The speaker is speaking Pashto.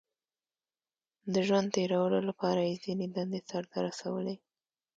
• د ژوند تېرولو لپاره یې ځینې دندې سر ته رسولې.